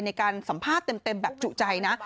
ในการสัมภาษณ์เต็มแบบจุใจนะ